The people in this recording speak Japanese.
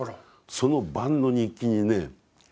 その晩の日記にね